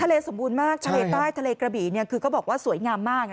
สมบูรณ์มากทะเลใต้ทะเลกระบี่คือก็บอกว่าสวยงามมาก